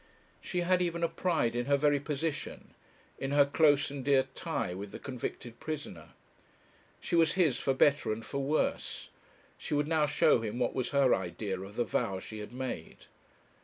She had even a pride in her very position, in her close and dear tie with the convicted prisoner. She was his for better and for worse; she would now show him what was her idea of the vow she had made.